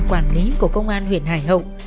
quản lý của công an huyện hải hậu